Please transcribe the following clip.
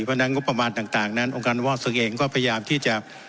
เพราะฉะนั้นงบประมาณต่างนั้นองค์การวอกศึกเองก็พยายามที่จะ